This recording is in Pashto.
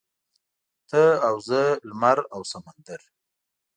ته او زه لمر او سمندر.